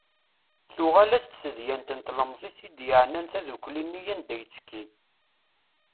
Tuɣal-as-d tedyant n tlemẓit i d-yeɛnan taddukli-nni anda i yettekki.